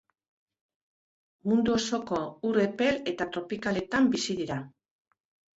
Mundu osoko ur epel eta tropikaletan bizi dira.